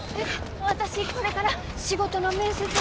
私これから仕事の面接が。